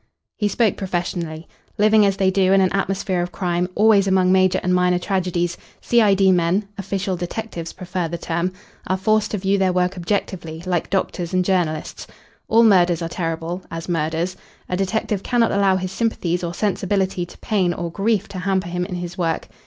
He spoke professionally. Living as they do in an atmosphere of crime, always among major and minor tragedies, C.I.D. men official detectives prefer the term are forced to view their work objectively, like doctors and journalists. All murders are terrible as murders. A detective cannot allow his sympathies or sensibility to pain or grief to hamper him in his work.